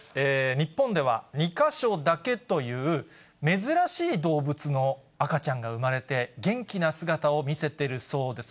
日本では２か所だけという珍しい動物の赤ちゃんが産まれて、元気な姿を見せているそうです。